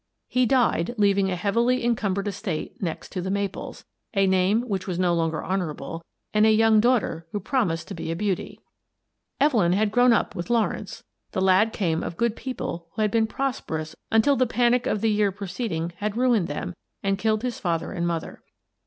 He died, leaving a heavily encumbered estate next to " The Maples," a name which was no longer hon ourable, and a young daughter who promised to be a beauty. Evelyn had grown up with Lawrence. The lad came of good people who had been prosperous until the panic of the year preceding had ruined them and killed his father and mother.